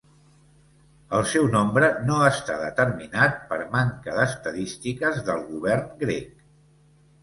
El seu nombre no està determinat per manca d'estadístiques del govern grec.